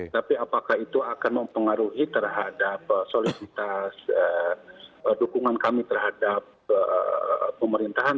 tapi apakah itu akan mempengaruhi terhadap soliditas dukungan kami terhadap pemerintahan